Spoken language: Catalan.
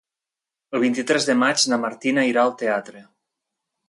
El vint-i-tres de maig na Martina irà al teatre.